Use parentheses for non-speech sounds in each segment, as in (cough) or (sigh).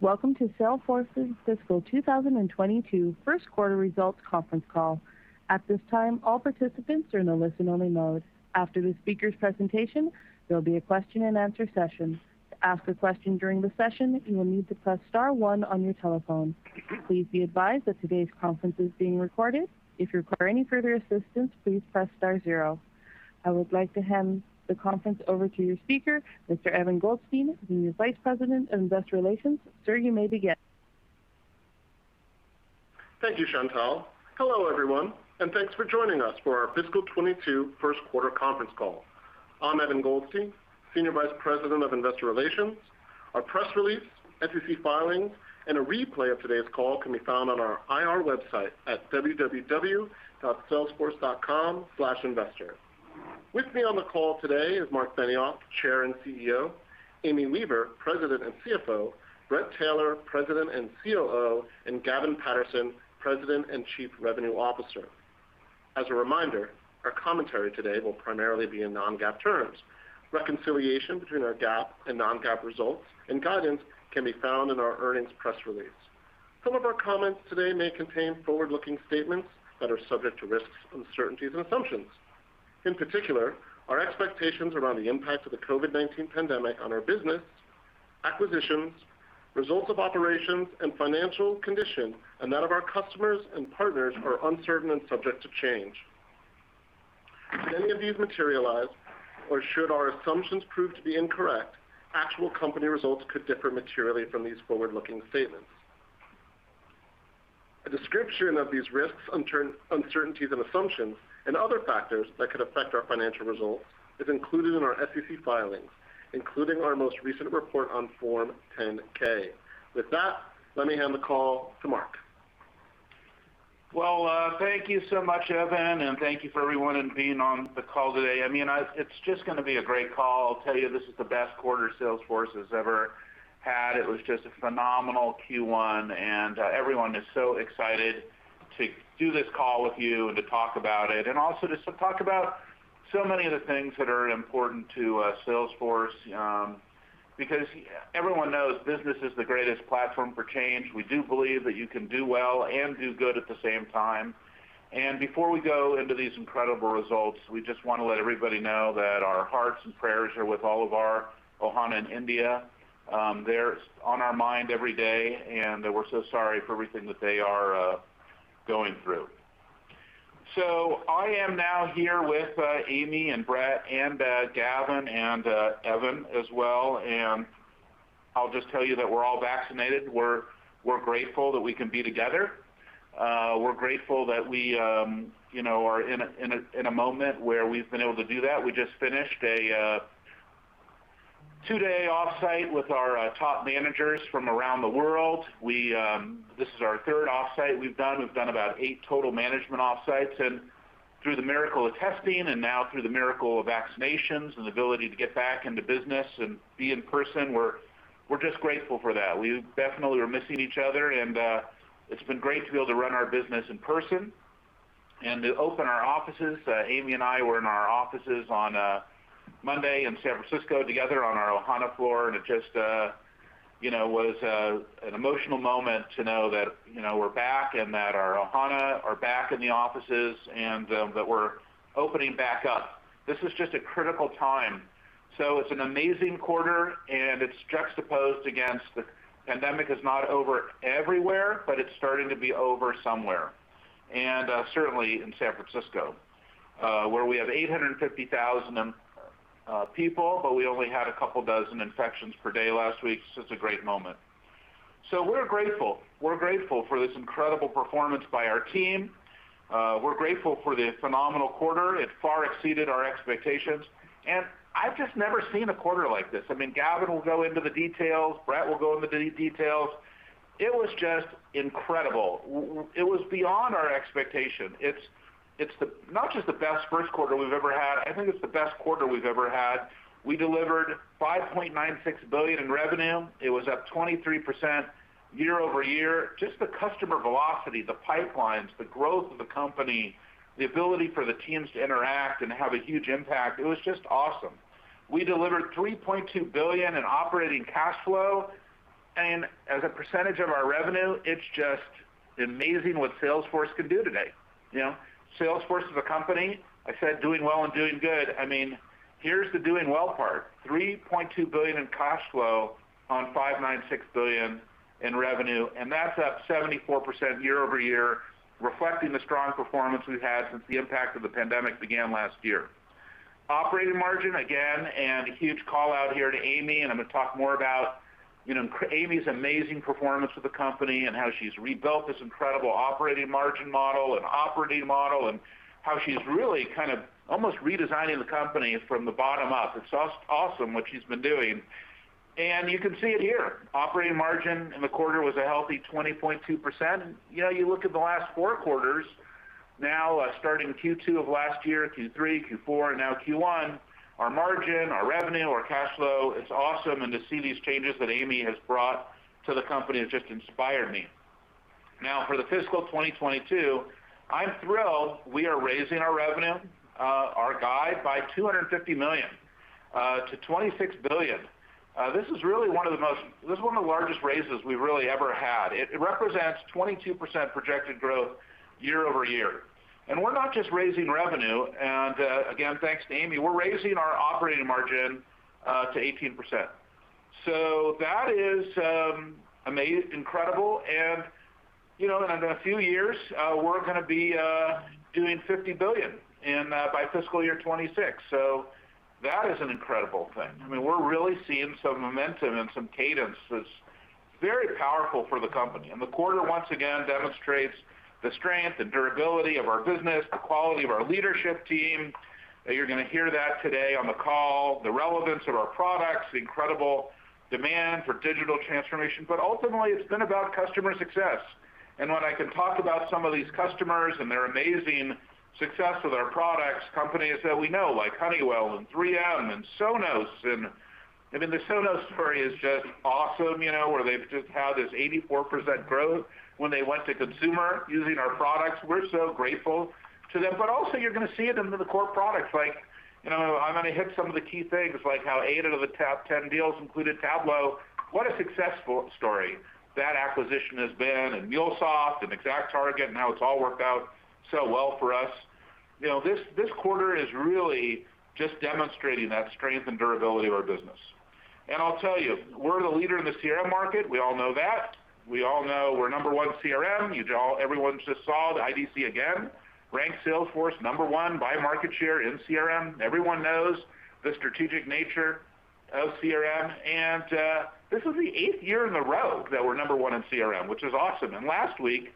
Welcome to Salesforce's Fiscal 2022 First Quarter Results Conference Call. I would like to hand the conference over to your speaker, Mr. Evan Goldstein, Senior Vice President of Investor Relations. Sir, you may begin. Thank you, Chantal. Hello everyone, thanks for joining us for our Fiscal 2022 First Quarter Conference Call. I'm Evan Goldstein, Senior Vice President of Investor Relations. Our press release, SEC filings, and a replay of today's call can be found on our IR website at www.salesforce.com/investor. With me on the call today is Marc Benioff, Chair and CEO, Amy Weaver, President and CFO, Bret Taylor, President and COO, and Gavin Patterson, President and Chief Revenue Officer. As a reminder, our commentary today will primarily be in non-GAAP terms. Reconciliation between our GAAP and non-GAAP results and guidance can be found in our earnings press release. Some of our comments today may contain forward-looking statements that are subject to risks, uncertainties, and assumptions. In particular, our expectations around the impact of the COVID-19 pandemic on our business, acquisitions, results of operations, and financial condition, and that of our customers and partners are uncertain and subject to change. If any of these materialize, or should our assumptions prove to be incorrect, actual company results could differ materially from these forward-looking statements. A description of these risks, uncertainties and assumptions and other factors that could affect our financial results is included in our SEC filings, including our most recent report on Form 10-K. With that, let me hand the call to Marc. Well, thank you so much, Evan, and thank you for everyone in being on the call today. It's just going to be a great call. I'll tell you, this is the best quarter Salesforce has ever had. It was just a phenomenal Q1, and everyone is so excited to do this call with you and to talk about it, and also just to talk about so many of the things that are important to Salesforce. Everyone knows business is the greatest platform for change. We do believe that you can do well and do good at the same time. Before we go into these incredible results, we just want to let everybody know that our hearts and prayers are with all of our Ohana in India. They're on our mind every day, and we're so sorry for everything that they are going through. I am now here with Amy and Bret and Gavin and Evan as well, and I'll just tell you that we're all vaccinated. We're grateful that we can be together. We're grateful that we are in a moment where we've been able to do that. We just finished a two-day offsite with our top managers from around the world. This is our third offsite we've done. We've done about eight total management offsites, and through the miracle of testing and now through the miracle of vaccinations and the ability to get back into business and be in person, we're just grateful for that. We definitely were missing each other, and it's been great to be able to run our business in person and to open our offices. Amy and I were in our offices on Monday in San Francisco together on our Ohana floor, and it just was an emotional moment to know that we're back and that our Ohana are back in the offices, and that we're opening back up. This is just a critical time. It's an amazing quarter, and it's juxtaposed against the pandemic is not over everywhere, but it's starting to be over somewhere. Certainly in San Francisco, where we have 850,000 people, but we only had a couple dozen infections per day last week. It's just a great moment. We're grateful. We're grateful for this incredible performance by our team. We're grateful for the phenomenal quarter. It far exceeded our expectations, and I've just never seen a quarter like this. Gavin will go into the details. Bret will go into the details. It was just incredible. It was beyond our expectations. It's not just the best first quarter we've ever had, I think it's the best quarter we've ever had. We delivered $5.96 billion in revenue. It was up 23% year-over-year. Just the customer velocity, the pipelines, the growth of the company, the ability for the teams to interact and have a huge impact, it was just awesome. We delivered $3.2 billion in operating cash flow. As a percentage of our revenue, it's just amazing what Salesforce can do today. Salesforce as a company, I said doing well and doing good, here's the doing well part, $3.2 billion in cash flow on $5.96 billion in revenue, and that's up 74% year-over-year, reflecting the strong performance we've had since the impact of the pandemic began last year. Operating margin, again, and a huge call-out here to Amy Weaver, and I'm going to talk more about Amy Weaver's amazing performance for the company and how she's rebuilt this incredible operating margin model and operating model, and how she's really kind of almost redesigning the company from the bottom up. It's awesome what she's been doing. You can see it here. Operating margin in the quarter was a healthy 20.2%. You look at the last four quarters, now starting Q2 of last year, Q3, Q4, and now Q1, our margin, our revenue, our cash flow, it's awesome, and to see these changes that Amy Weaver has brought to the company has just inspired me. For the fiscal 2022, I'm thrilled we are raising our revenue, our guide, by $250 million to $26 billion. This is one of the largest raises we've really ever had. It represents 22% projected growth year-over-year. We're not just raising revenue, and again, thanks to Amy, we're raising our operating margin to 18%. That is incredible, and in a few years, we're going to be doing $50 billion, and by fiscal year 2026. That is an incredible thing. We're really seeing some momentum and some cadence that's very powerful for the company. The quarter, once again, demonstrates the strength and durability of our business, the quality of our leadership team. You're going to hear that today on the call, the relevance of our products, the incredible demand for digital transformation, ultimately, it's been about customer success. When I can talk about some of these customers and their amazing success with our products, companies that we know, like Honeywell and 3M and Sonos, and the Sonos story is just awesome, where they've just had this 84% growth when they went to consumer using our products. We're so grateful to them, but also you're going to see it in the core products. I'm going to hit some of the key things, like how eight of the top 10 deals included Tableau. What a successful story that acquisition has been, and MuleSoft and ExactTarget, and how it's all worked out so well for us. This quarter is really just demonstrating that strength and durability of our business. I'll tell you, we're the leader in the CRM market. We all know that. We all know we're number one CRM. Everyone just saw the IDC again rank Salesforce number one by market share in CRM. Everyone knows the strategic nature of CRM, and this is the eighth year in a row that we're number one in CRM, which is awesome. Last week,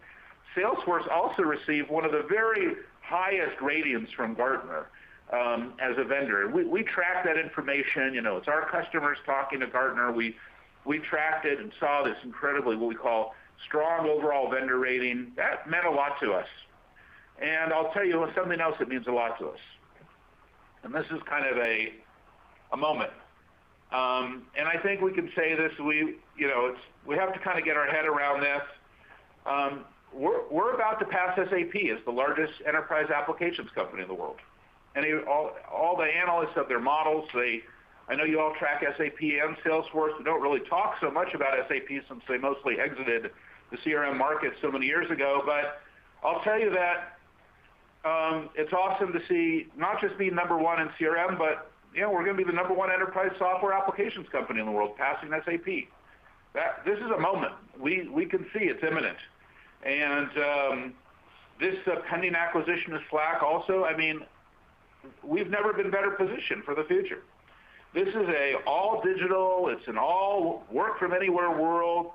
Salesforce also received one of the very highest ratings from Gartner as a vendor. We track that information. It's our customers talking to Gartner. We tracked it and saw this incredibly, what we call, strong overall vendor rating. That meant a lot to us. I'll tell you something else that means a lot to us, and this is kind of a moment. I think we can say this. We have to get our head around this. We're about to pass SAP as the largest enterprise applications company in the world. All the analysts have their models. I know you all track SAP and Salesforce, but don't really talk so much about SAP since they mostly exited the CRM market so many years ago. I'll tell you that it's awesome to see, not just be number one in CRM, but we're going to be the number one enterprise software applications company in the world, passing SAP. This is a moment. We can see it's imminent. This pending acquisition of Slack also, we've never been better positioned for the future. This is all digital. It's an all work-from-anywhere world.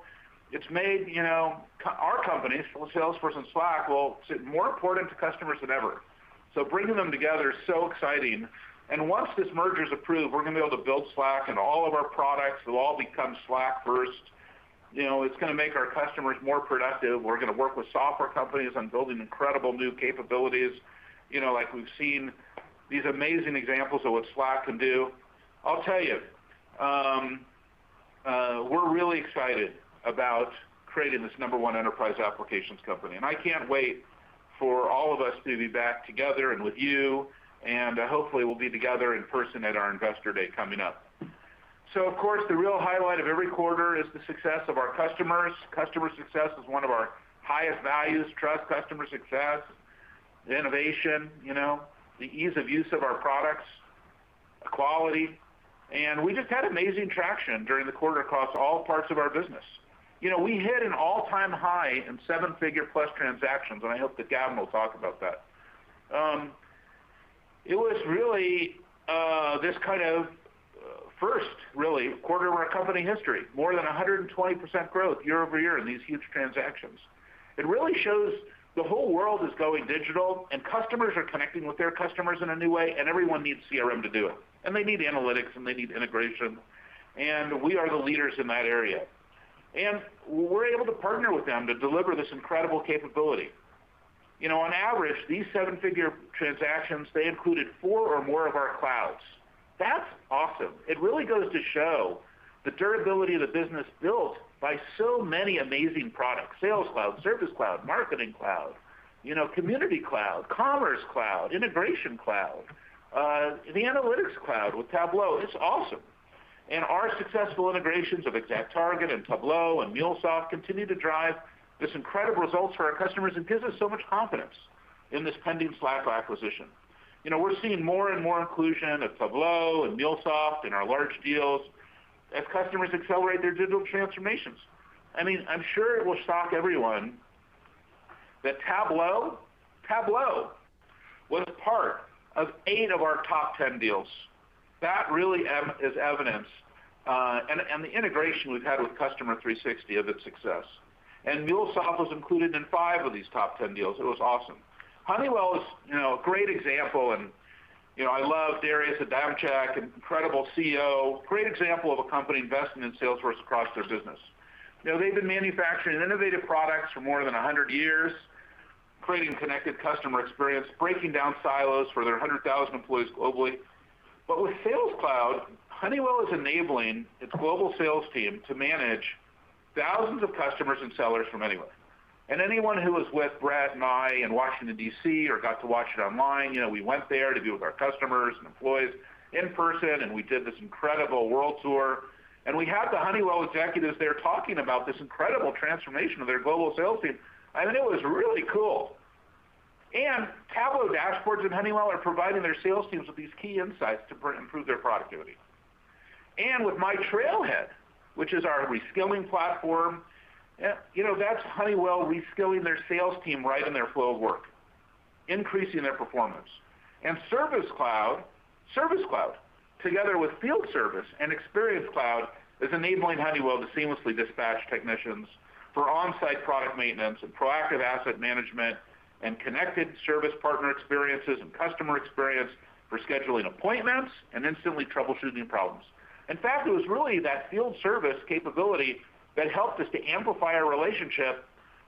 It's made our companies, Salesforce and Slack, more important to customers than ever. Bringing them together is so exciting. Once this merger's approved, we're going to be able to build Slack into all of our products. It'll all become Slack first. It's going to make our customers more productive. We're going to work with software companies on building incredible new capabilities. Like we've seen these amazing examples of what Slack can do. I'll tell you, we're really excited about creating this number one enterprise applications company. I can't wait for all of us to be back together and with you, and hopefully we'll be together in person at our Investor Day coming up. Of course, the real highlight of every quarter is the success of our customers. Customer success is one of our highest values, trust, customer success, innovation, the ease of use of our products, the quality. We just had amazing traction during the quarter across all parts of our business. We hit an all-time high in seven-figure plus transactions. I hope that Gavin will talk about that. It was really this kind of first, really, quarter of our company history. More than 120% growth year-over-year in these huge transactions. It really shows the whole world is going digital. Customers are connecting with their customers in a new way. Everyone needs CRM to do it. They need analytics. They need integration. We are the leaders in that area. We're able to partner with them to deliver this incredible capability. On average, these seven-figure transactions, they included four or more of our clouds. That's awesome. It really goes to show the durability of the business built by so many amazing products. Sales Cloud, Service Cloud, Marketing Cloud, Experience Cloud, Commerce Cloud, Integration Cloud, the Analytics Cloud with Tableau. It's awesome. Our successful integrations of ExactTarget and Tableau and MuleSoft continue to drive this incredible results for our customers. It gives us so much confidence in this pending Slack acquisition. We're seeing more and more inclusion of Tableau and MuleSoft in our large deals as customers accelerate their digital transformations. I'm sure it will shock everyone that Tableau was part of eight of our top 10 deals. That really is evidence. The integration we've had with Customer 360 of its success. MuleSoft was included in five of these top 10 deals. It was awesome. Honeywell is a great example, and I love Darius Adamczyk, incredible CEO. Great example of a company investing in Salesforce across their business. They've been manufacturing innovative products for more than 100 years. Creating connected customer experience, breaking down silos for their 100,000 employees globally. With Sales Cloud, Honeywell is enabling its global sales team to manage thousands of customers and sellers from anywhere. Anyone who was with Bret and I in Washington, D.C., or got to watch it online, we went there to be with our customers and employees in person, and we did this incredible world tour. We had the Honeywell executives there talking about this incredible transformation of their global sales team, and it was really cool. Tableau dashboards and Honeywell are providing their sales teams with these key insights to improve their productivity. With myTrailhead, which is our reskilling platform, that's Honeywell reskilling their sales team right in their flow of work, increasing their performance. Service Cloud, together with Field Service and Experience Cloud, is enabling Honeywell to seamlessly dispatch technicians for onsite product maintenance and proactive asset management, and connected service partner experiences and customer experience for scheduling appointments, and instantly troubleshooting problems. In fact, it was really that Field Service capability that helped us to amplify our relationship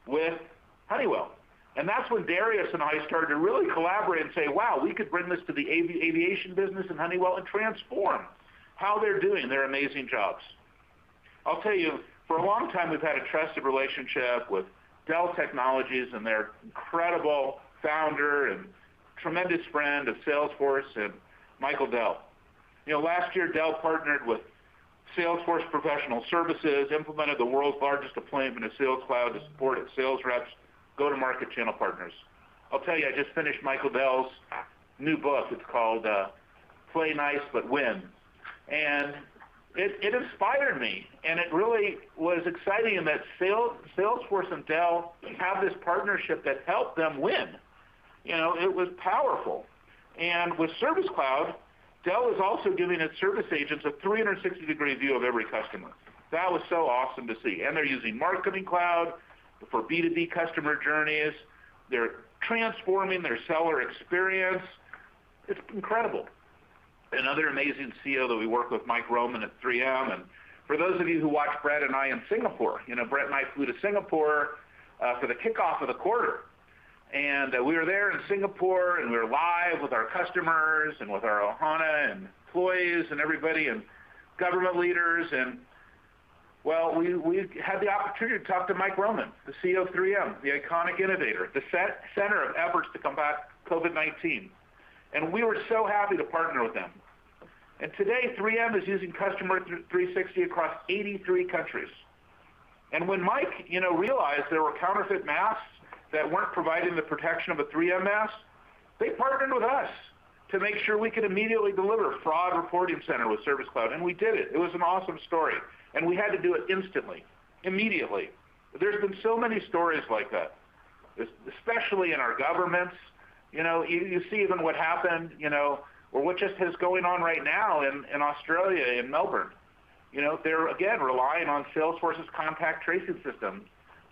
with Honeywell. That's when Darius and I started to really collaborate and say, "Wow, we could bring this to the aviation business in Honeywell and transform how they're doing their amazing jobs." I'll tell you, for a long time, we've had a trusted relationship with Dell Technologies and their incredible founder and tremendous friend of Salesforce, Michael Dell. Last year, Dell partnered with Salesforce Professional Services, implemented the world's largest deployment of Sales Cloud to support its sales reps go-to-market channel partners. I'll tell you, I just finished Michael Dell's new book. It's called, "Play Nice But Win," and it inspired me, and it really was exciting in that Salesforce and Dell have this partnership that helped them win. It was powerful. With Service Cloud, Dell is also giving its service agents a 360-degree view of every customer. That was so awesome to see. They're using Marketing Cloud for B2B customer journeys. They're transforming their seller experience. It's incredible. Another amazing CEO that we work with, Mike Roman at 3M. For those of you who watched Bret and I in Singapore, Bret and I flew to Singapore for the kickoff of the quarter. We were there in Singapore, and we were live with our customers and with our Ohana and employees and everybody, and government leaders. We had the opportunity to talk to Mike Roman, the CEO of 3M, the iconic innovator, the center of efforts to combat COVID-19. We were so happy to partner with them. Today, 3M is using Customer 360 across 83 countries. When Mike realized there were counterfeit masks that weren't providing the protection of a 3M mask, they partnered with us to make sure we could immediately deliver a fraud reporting center with Service Cloud. We did it. It was an awesome story. We had to do it instantly, immediately. There's been so many stories like that, especially in our governments. You see even what happened, or what just is going on right now in Australia, in Melbourne. They're again relying on Salesforce's contact tracing systems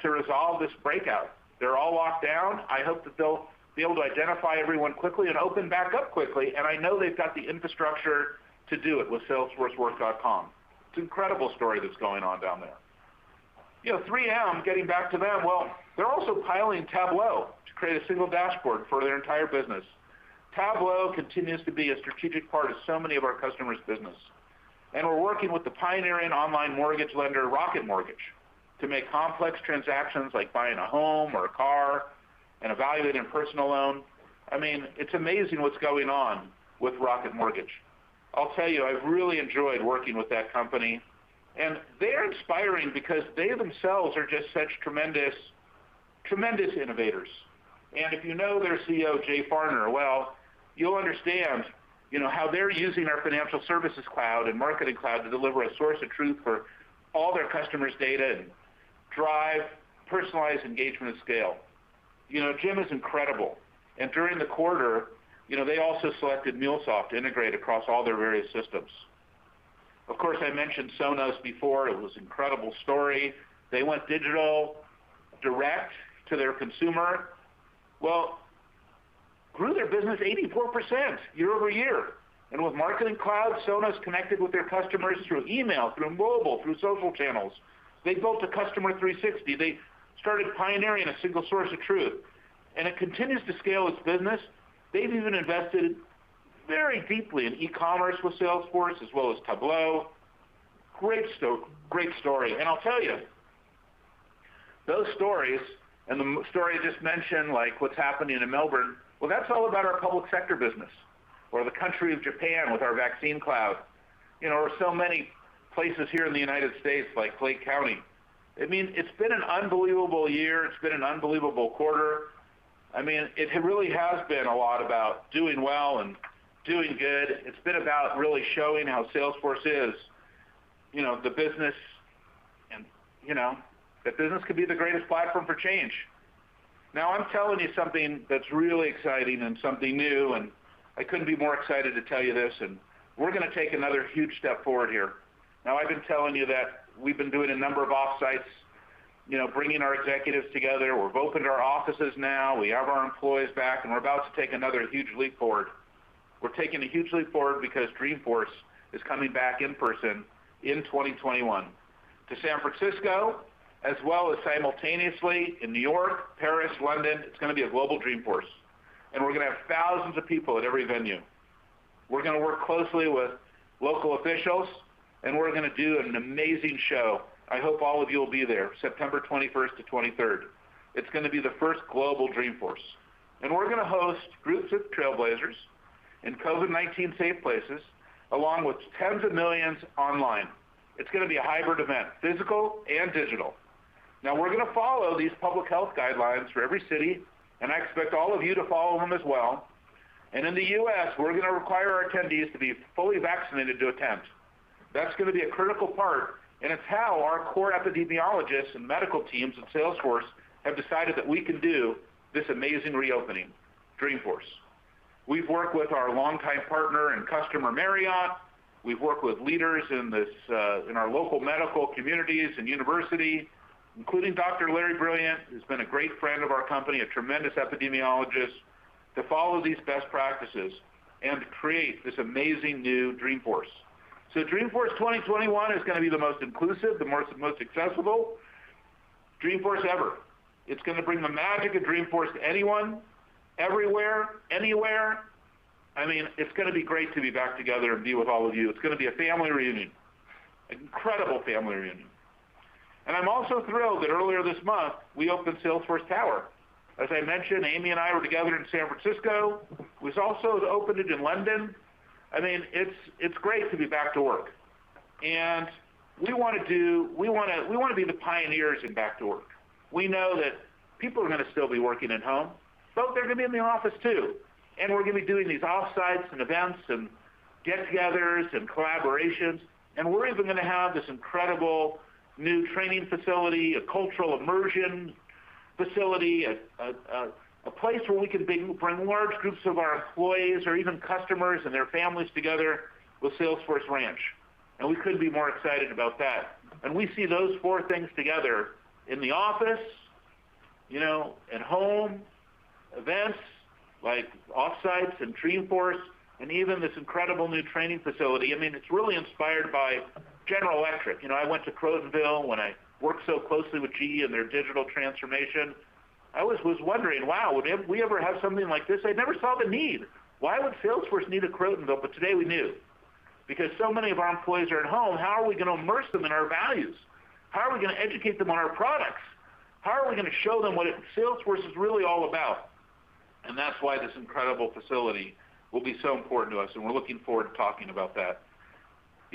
to resolve this breakout. They're all locked down. I hope that they'll be able to identify everyone quickly and open back up quickly. I know they've got the infrastructure to do it with salesforce.com. It's an incredible story that's going on down there. 3M, getting back to them. Well, they're also piloting Tableau to create a single dashboard for their entire business. Tableau continues to be a strategic part of so many of our customers' business. We're working with the pioneering online mortgage lender, Rocket Mortgage, to make complex transactions like buying a home or a car, and evaluating a personal loan. It's amazing what's going on with Rocket Mortgage. I'll tell you, I've really enjoyed working with that company, and they're inspiring because they themselves are just such tremendous innovators. If you know their CEO, Jay Farner, well, you'll understand how they're using our Financial Services Cloud and Marketing Cloud to deliver a source of truth for all their customers' data and drive personalized engagement at scale. (inaudible) is incredible, and during the quarter, they also selected MuleSoft to integrate across all their various systems. Of course, I mentioned Sonos before. It was an incredible story. They went digital direct to their consumer. Well, grew their business 84% year-over-year. With Marketing Cloud, Sonos connected with their customers through email, through mobile, through social channels. They built a Customer 360. They started pioneering a single source of truth, and it continues to scale its business. They've even invested very deeply in e-commerce with Salesforce as well as Tableau. Great story. I'll tell you, those stories and the story I just mentioned, like what's happening in Melbourne, well, that's all about our public sector business. The country of Japan with our Vaccine Cloud. So many places here in the U.S., like Clay County. It's been an unbelievable year. It's been an unbelievable quarter. It really has been a lot about doing well and doing good. It's been about really showing how Salesforce is the business, and that business could be the greatest platform for change. I'm telling you something that's really exciting and something new, and I couldn't be more excited to tell you this, and we're going to take another huge step forward here. I've been telling you that we've been doing a number of off-sites, bringing our executives together. We've opened our offices now. We have our employees back, and we're about to take another huge leap forward. We're taking it hugely forward because Dreamforce is coming back in person in 2021 to San Francisco, as well as simultaneously in New York, Paris, London. It's going to be a global Dreamforce, and we're going to have thousands of people at every venue. We're going to work closely with local officials, and we're going to do an amazing show. I hope all of you will be there September 21st to 23rd. It's going to be the first global Dreamforce. We're going to host groups of trailblazers in COVID-19 safe places, along with tens of millions online. It's going to be a hybrid event, physical and digital. Now, we're going to follow these public health guidelines for every city, and I expect all of you to follow them as well. In the U.S., we're going to require our attendees to be fully vaccinated to attend. That's going to be a critical part, and it's how our core epidemiologists and medical teams at Salesforce have decided that we can do this amazing reopening, Dreamforce. We've worked with our longtime partner and customer, Marriott. We've worked with leaders in our local medical communities and university, including Dr. Larry Brilliant, who's been a great friend of our company, a tremendous epidemiologist, to follow these best practices and to create this amazing new Dreamforce. Dreamforce 2021 is going to be the most inclusive, the most accessible Dreamforce ever. It's going to bring the magic of Dreamforce to anyone, everywhere, anywhere. It's going to be great to be back together and be with all of you. It's going to be a family reunion, an incredible family reunion. I'm also thrilled that earlier this month, we opened Salesforce Tower. As I mentioned, Amy and I were together in San Francisco. It was also opened in London. It's great to be back to work. We want to be the pioneers in back to work. We know that people are going to still be working at home, but they're going to be in the office, too. We're going to be doing these off-sites and events and get-togethers and collaborations, we're even going to have this incredible new training facility, a cultural immersion facility, a place where we can bring large groups of our employees or even customers and their families together with Salesforce Ranch. We couldn't be more excited about that. We see those four things together in the office, at home, events like off-sites and Dreamforce, even this incredible new training facility. It's really inspired by General Electric. I went to Crotonville when I worked so closely with GE and their digital transformation. I always was wondering, wow, would we ever have something like this? I never saw the need. Why would Salesforce need a Crotonville? Today we do. Because so many of our employees are at home, how are we going to immerse them in our values? How are we going to educate them on our products? How are we going to show them what Salesforce is really all about? That's why this incredible facility will be so important to us, and we're looking forward to talking about that.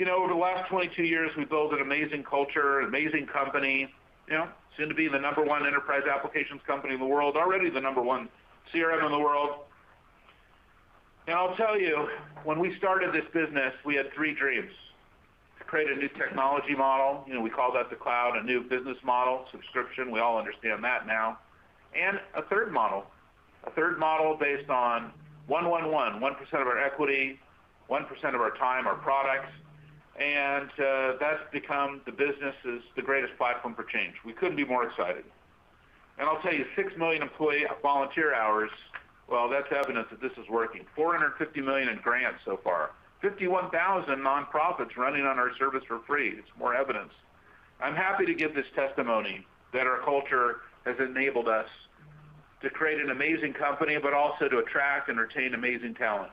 Over the last 22 years, we've built an amazing culture, an amazing company. Soon to be the number one enterprise applications company in the world, already the number one CRM in the world. I'll tell you, when we started this business, we had three dreams. To create a new technology model, we call that the cloud, a new business model, subscription, we all understand that now. A third model. A third model based on 1-1-1, 1% of our equity, 1% of our time, our products, and that's become the business as the greatest platform for change. We couldn't be more excited. I'll tell you, 6 million employee volunteer hours, well, that's evidence that this is working. $450 million in grants so far. 51,000 nonprofits running on our service for free. It's more evidence. I'm happy to give this testimony that our culture has enabled us to create an amazing company, but also to attract and retain amazing talent.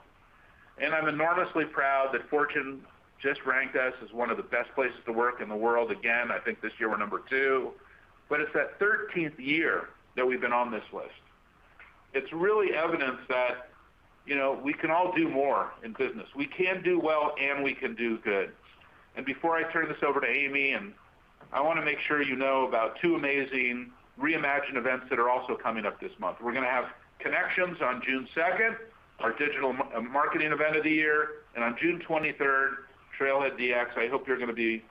I'm enormously proud that Fortune just ranked us as one of the best places to work in the world again. I think this year we're number two. It's that 13th year that we've been on this list. It's really evidence that we can all do more in business. We can do well, and we can do good. Before I turn this over to Amy, I want to make sure you know about two amazing reimagined events that are also coming up this month. We're going to have Connections on June 2nd, our digital marketing event of the year, and on June 23rd, TrailheaDX. I hope you're going to be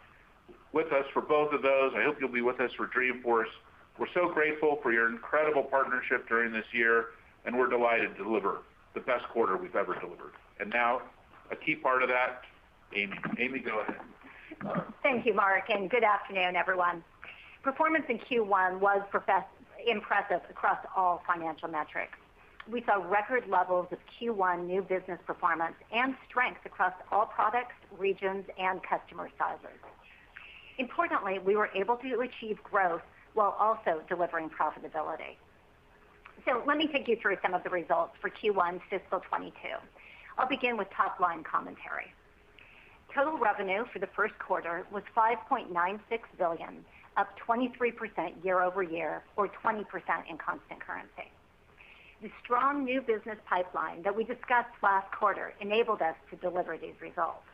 with us for both of those. I hope you'll be with us for Dreamforce. We're so grateful for your incredible partnership during this year, and we're delighted to deliver the best quarter we've ever delivered. Now, a key part of that, Amy. Amy, go ahead. Thank you, Marc, and good afternoon, everyone. Performance in Q1 was impressive across all financial metrics. We saw record levels of Q1 new business performance and strength across all products, regions, and customer sizes. Importantly, we were able to achieve growth while also delivering profitability. Let me take you through some of the results for Q1 fiscal 2022. I'll begin with top-line commentary. Total revenue for the first quarter was $5.96 billion, up 23% year-over-year or 20% in constant currency. The strong new business pipeline that we discussed last quarter enabled us to deliver these results.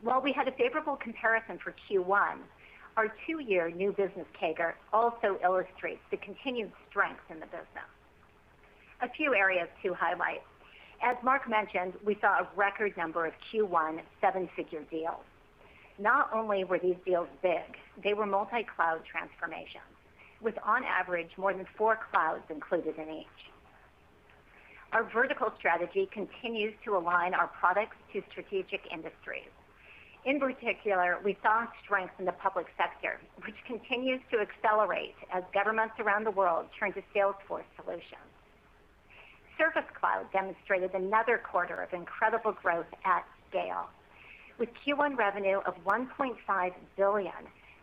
While we had a favorable comparison for Q1, our two-year new business CAGR also illustrates the continued strength in the business. A few areas to highlight. As Marc mentioned, we saw a record number of Q1 seven-figure deals. Not only were these deals big, they were multi-cloud transformations, with on average more than four clouds included in each. Our vertical strategy continues to align our products to strategic industries. In particular, we saw strength in the public sector, which continues to accelerate as governments around the world turn to Salesforce solutions. Service Cloud demonstrated another quarter of incredible growth at scale, with Q1 revenue of $1.5 billion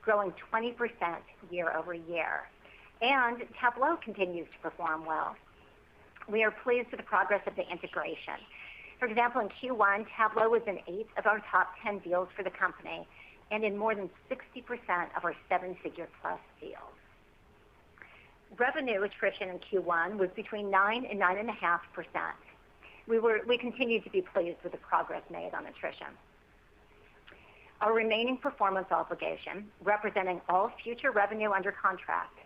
growing 20% year-over-year. Tableau continues to perform well. We are pleased with the progress of the integration. For example, in Q1, Tableau was in eight of our top 10 deals for the company and in more than 60% of our seven-figure plus deals. Revenue attrition in Q1 was between 9% and 9.5%. We continue to be pleased with the progress made on attrition. Our remaining performance obligation, representing all future revenue under contract,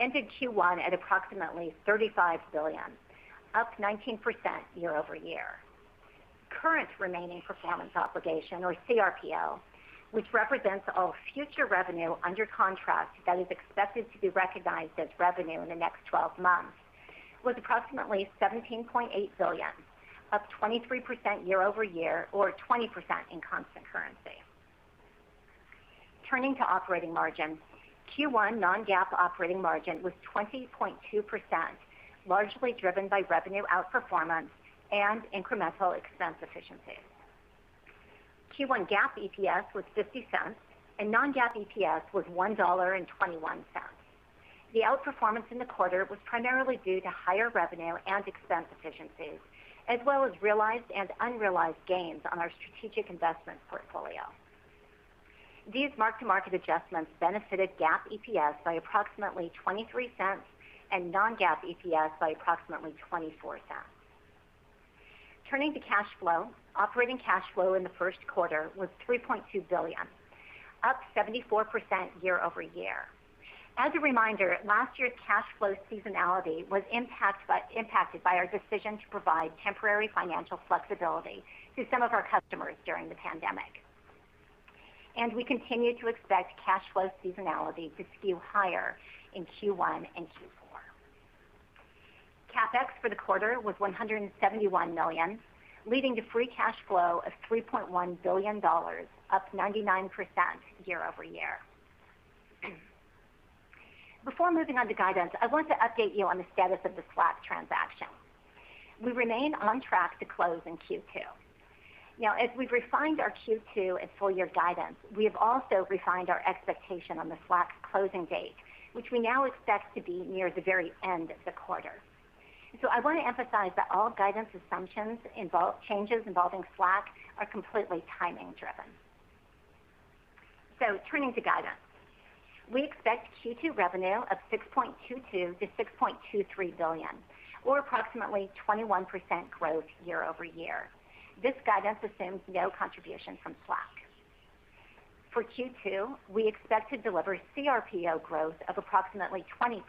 ended Q1 at approximately $35 billion, up 19% year-over-year. Current remaining performance obligation, or CRPO, which represents all future revenue under contract that is expected to be recognized as revenue in the next 12 months, was approximately $17.8 billion, up 23% year-over-year or 20% in constant currency. Operating margins, Q1 non-GAAP operating margin was 20.2%, largely driven by revenue outperformance and incremental expense efficiencies. Q1 GAAP EPS was $0.50, non-GAAP EPS was $1.21. The outperformance in the quarter was primarily due to higher revenue and expense efficiencies, as well as realized and unrealized gains on our strategic investment portfolio. These mark-to-market adjustments benefited GAAP EPS by approximately $0.23 and non-GAAP EPS by approximately $0.24. Turning to cash flow, operating cash flow in the first quarter was $3.2 billion, up 74% year-over-year. As a reminder, last year's cash flow seasonality was impacted by our decision to provide temporary financial flexibility to some of our customers during the pandemic. We continue to expect cash flow seasonality to skew higher in Q1 and Q4. CapEx for the quarter was $171 million, leading to free cash flow of $3.1 billion, up 99% year-over-year. Before moving on to guidance, I wanted to update you on the status of the Slack transaction. We remain on track to close in Q2. As we've refined our Q2 and full-year guidance, we've also refined our expectation on the Slack closing date, which we now expect to be near the very end of the quarter. I want to emphasize that all guidance assumptions, changes involving Slack are completely timing driven. Turning to guidance. We expect Q2 revenue of $6.22 billion-$6.23 billion, or approximately 21% growth year-over-year. This guidance assumes no contribution from Slack. For Q2, we expect to deliver CRPO growth of approximately 20%.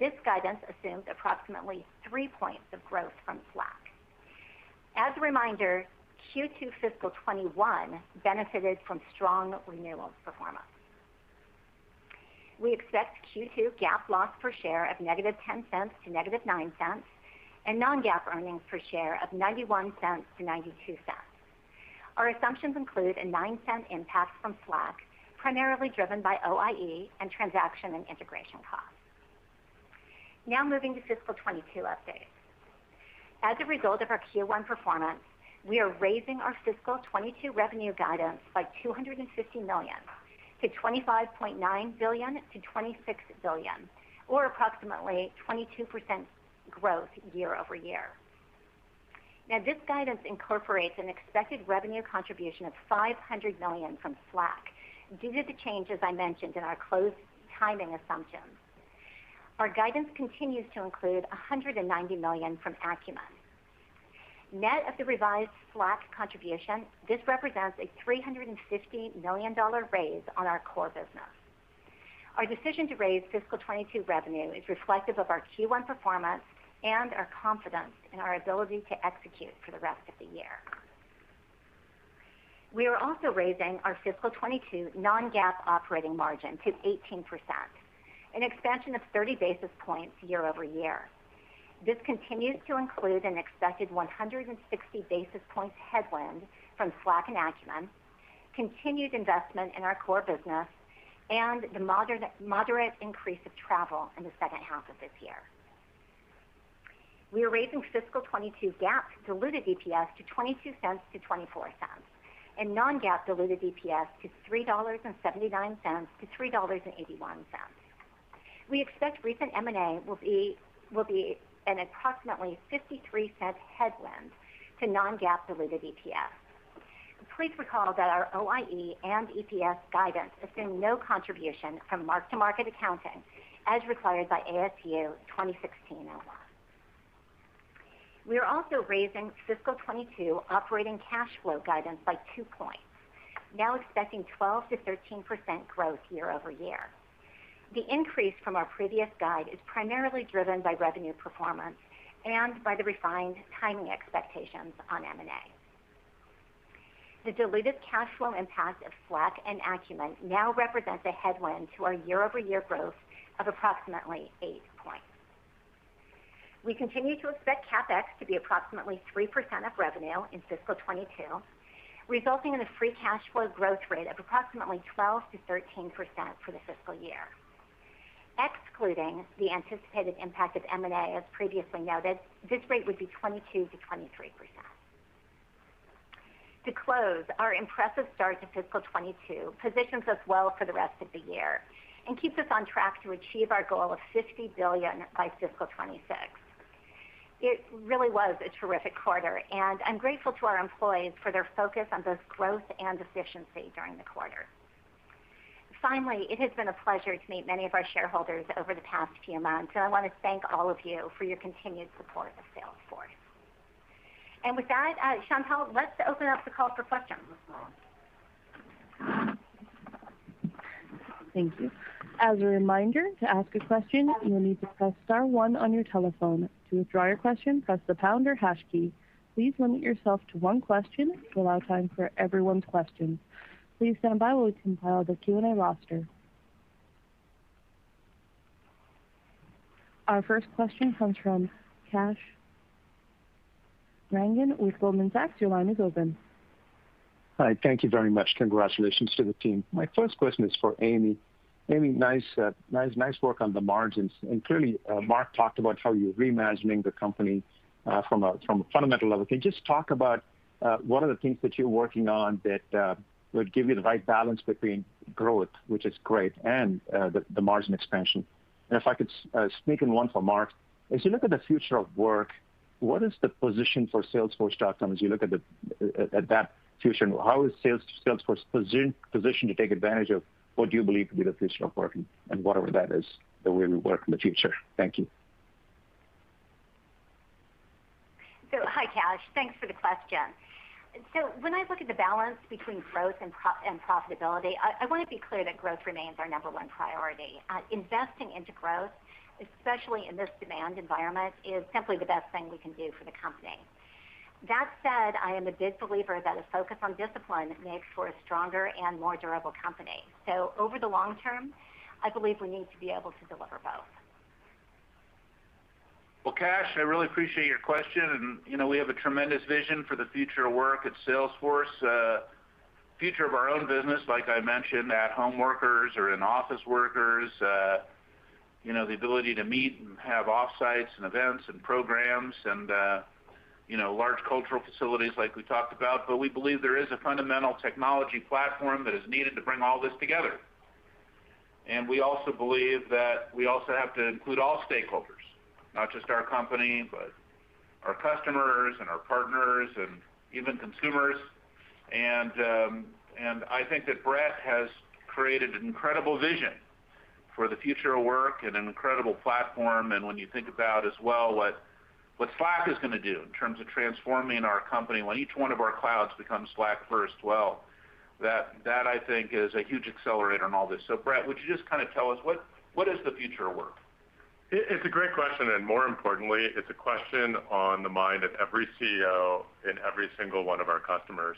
This guidance assumes approximately three points of growth from Slack. As a reminder, Q2 fiscal 2021 benefited from strong renewals performance. We expect Q2 GAAP loss per share of -$0.10 to -$0.09, and non-GAAP earnings per share of $0.91-$0.92. Our assumptions include a $0.09 impact from Slack, primarily driven by OIE and transaction and integration costs. Moving to fiscal 2022 updates. As a result of our Q1 performance, we are raising our fiscal 2022 revenue guidance by $250 million to $25.9 billion-$26 billion, or approximately 22% growth year-over-year. This guidance incorporates an expected revenue contribution of $500 million from Slack due to the changes I mentioned in our closed timing assumptions. Our guidance continues to include $190 million from Acumen. Net of the revised Slack contribution, this represents a $350 million raise on our core business. Our decision to raise fiscal 2022 revenue is reflective of our Q1 performance and our confidence in our ability to execute for the rest of the year. We are also raising our fiscal 2022 non-GAAP operating margin to 18%, an expansion of 30 basis points year-over-year. This continues to include an expected 160 basis point headwind from Slack and Acumen, continued investment in our core business, and the moderate increase of travel in the second half of this year. We are raising fiscal 2022 GAAP diluted EPS to $0.22 to $0.24. Non-GAAP diluted EPS to $3.79 to $3.81. We expect recent M&A will be an approximately $0.53 headwind to non-GAAP diluted EPS. Please recall that our OIE and EPS guidance assume no contribution from mark-to-market accounting, as required by ASU 2016-01. We are also raising fiscal 2022 operating cash flow guidance by two points, now expecting 12%-13% growth year-over-year. The increase from our previous guide is primarily driven by revenue performance and by the refined timing expectations on M&A. The diluted cash flow impact of Slack and Acumen now represents a headwind to our year-over-year growth of approximately eight points. We continue to expect CapEx to be approximately 3% of revenue in fiscal 2022, resulting in a free cash flow growth rate of approximately 12%-13% for the fiscal year. Excluding the anticipated impact of M&A as previously noted, this rate would be 22%-23%. To close, our impressive start to fiscal 2022 positions us well for the rest of the year and keeps us on track to achieve our goal of $60 billion by fiscal 2026. It really was a terrific quarter, and I'm grateful to our employees for their focus on both growth and efficiency during the quarter. Finally, it has been a pleasure to meet many of our shareholders over the past few months, and I want to thank all of you for your continued support of Salesforce. With that, Shambhu, let's open up the call for questions. Thank you. As a reminder, to ask a question, you will need to press star one on your telephone. To withdraw your question, press the star or hash key. Please limit yourself to one question to allow time for everyone's questions. Please stand by while we compile the Q&A roster. Our first question comes from Kash Rangan with Goldman Sachs. Your line is open. Hi. Thank you very much. Congratulations to the team. My first question is for Amy. Amy, nice work on the margins. Clearly, Marc talked about how you're reimagining the company from a fundamental level. Can you just talk about what are the things that you're working on that would give you the right balance between growth, which is great, and the margin expansion? If I could sneak in one for Marc, as you look at the future of work, what is the position for salesforce.com as you look at that future? How is Salesforce positioned to take advantage of what you believe could be the future of working and whatever that is, the way we work in the future? Thank you. Hi, Kash. Thanks for the question. When I look at the balance between growth and profitability, I want to be clear that growth remains our number one priority. Investing into growth, especially in this demand environment, is simply the best thing we can do for the company. That said, I am a big believer that a focus on discipline makes for a stronger and more durable company. Over the long term, I believe we need to be able to deliver both. Well, Kash, I really appreciate your question. We have a tremendous vision for the future of work at Salesforce, future of our own business, like I mentioned, at home workers or in-office workers, the ability to meet and have off-sites and events and programs and large cultural facilities like we talked about. We believe there is a fundamental technology platform that is needed to bring all this together. We also believe that we also have to include all stakeholders, not just our company, but our customers and our partners and even consumers. I think that Bret has created an incredible vision for the future of work and an incredible platform. When you think about as well what Slack is going to do in terms of transforming our company, when each one of our clouds becomes Slack first, well, that I think is a huge accelerator in all this. Bret, would you just tell us what is the future of work? It's a great question, and more importantly, it's a question on the mind of every CEO and every single one of our customers.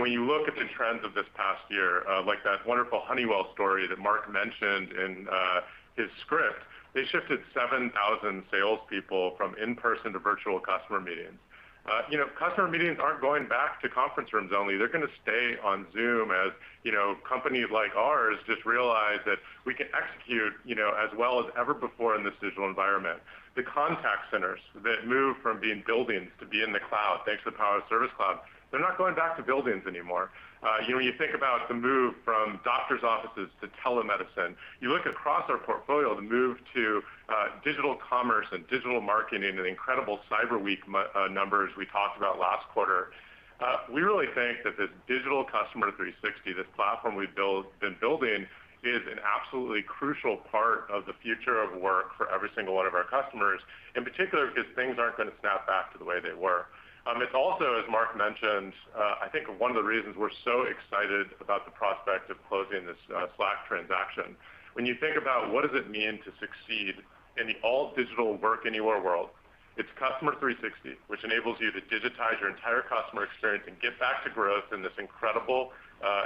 When you look at the trends of this past year, like that wonderful Honeywell story that Marc mentioned in his script, they shifted 7,000 salespeople from in-person to virtual customer meetings. Customer meetings aren't going back to conference rooms only. They're going to stay on Zoom as companies like ours just realize that we can execute as well as ever before in this digital environment. The contact centers that moved from being buildings to be in the cloud, thanks to our Service Cloud, they're not going back to buildings anymore. When you think about the move from doctor's offices to telemedicine, you look across our portfolio, the move to digital commerce and digital marketing and incredible Cyber Week numbers we talked about last quarter, we really think that this Digital Customer 360, this platform we've been building, is an absolutely crucial part of the future of work for every single one of our customers, in particular because things aren't going to snap back to the way they were. It's also, as Marc mentioned, I think one of the reasons we're so excited about the prospect of closing this Slack transaction. When you think about what does it mean to succeed in the all-digital work anywhere world, it's Customer 360, which enables you to digitize your entire customer experience and get back to growth in this incredible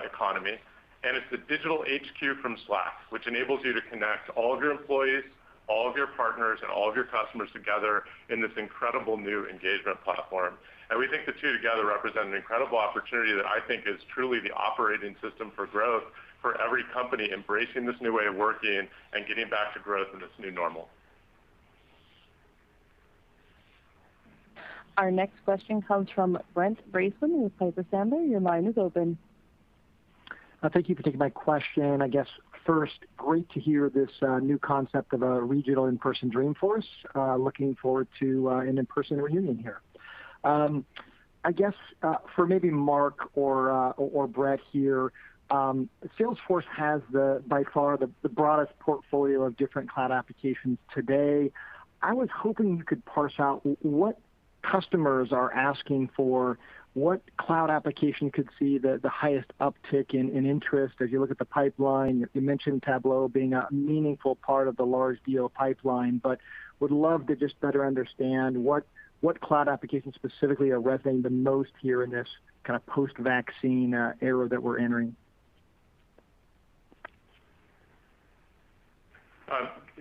economy. It's the digital HQ from Slack, which enables you to connect all of your employees, all of your partners, and all of your customers together in this incredible new engagement platform. We think the two together represent an incredible opportunity that I think is truly the operating system for growth for every company embracing this new way of working and getting back to growth in this new normal. Our next question comes from Brent Bracelin with Piper Sandler. Your line is open. Thank you for taking my question. I guess first, great to hear this new concept of a regional in-person Dreamforce. Looking forward to an in-person reunion here. I guess for maybe Marc or Bret here, Salesforce has by far the broadest portfolio of different cloud applications today. I was hoping you could parse out what customers are asking for, what cloud application could see the highest uptick in interest as you look at the pipeline. You mentioned Tableau being a meaningful part of the large deal pipeline. Would love to just better understand what cloud applications specifically are resonating the most here in this post-vaccine era that we're entering.